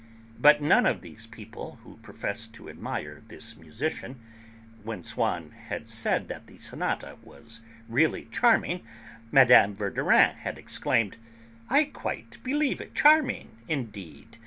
But none of these people who professed to admire this musician (when Swann had said that the sonata was really charming Mme. Verdurin had exclaimed, "I quite believe it! Charming, indeed!